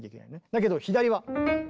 だけど左は。